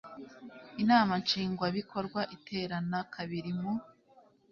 inama nshingwabikorwa iterana kabiri mu